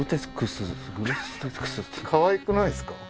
かわいくないですか？